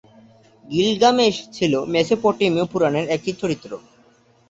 Gilgamesh ছিল মেসোপটেমীয় পুরাণের একটি চরিত্র।